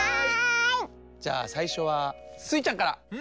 じゃあさいしょはスイちゃんから！